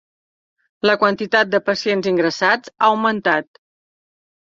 La quantitat de pacients ingressats ha augmentat.